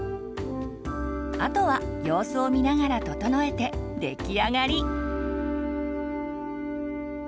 あとは様子を見ながら整えて出来上がり。